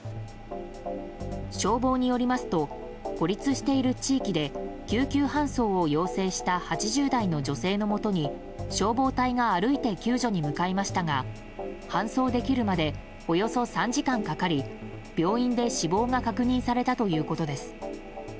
消防によりますと孤立している地域で救急搬送を要請した８０代の女性のもとに消防隊が歩いて救助に向かいましたが搬送できるまでおよそ３時間かかり病院で死亡が確認されたということです。